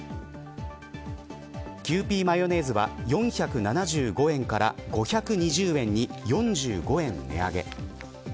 キューピーマヨネーズは４７５円から５２０円に、４５円値上げ。